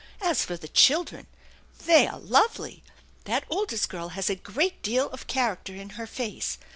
As for the children, they are lovely. That oldest girl has a great deal of char acter in her face.